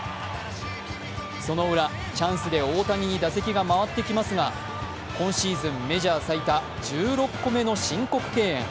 その裏、チャンスで大谷に打席が回ってきますが、今シーズンメジャー最多１６個目の申告敬遠。